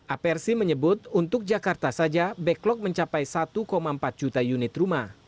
aprc menyebut untuk jakarta saja backlog mencapai satu empat juta unit rumah